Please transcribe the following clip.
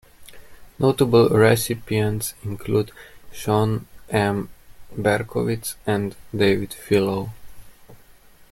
Notable recipients include Sean M. Berkowitz and David Filo.